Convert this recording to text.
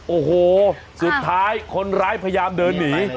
โอ้โหสุดท้ายคนร้ายพยายามเดินหนี